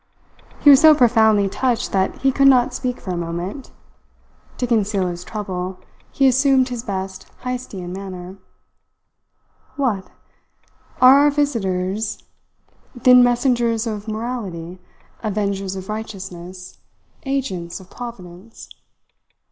He was so profoundly touched that he could not speak for a moment. To conceal his trouble, he assumed his best Heystian manner. "What? Are our visitors then messengers of morality, avengers of righteousness, agents of Providence?